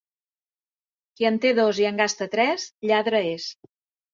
Qui en té dos i en gasta tres, lladre és.